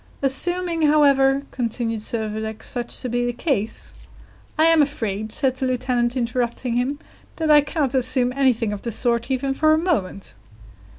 "Assuming, however," continued Servadac, "such to be the case " "I am afraid," said the lieutenant, interrupting him, "that I cannot assume anything of the sort even for a moment."